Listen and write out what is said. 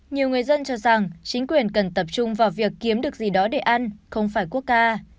nhiều người dân cho rằng chính quyền cần tập trung vào việc kiếm được gì đó để ăn không phải quốc ca